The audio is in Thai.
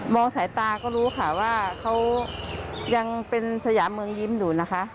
สายตาก็รู้ค่ะว่าเขายังเป็นสยามเมืองยิ้มอยู่นะคะ